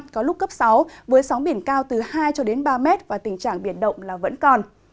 có lúc cấp sáu với sóng biển cao từ hai ba m và tình trạng biển động là vẫn còn